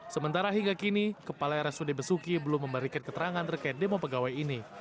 sementara hingga kini kepala rsud besuki belum memberikan keterangan terkait demo pegawai ini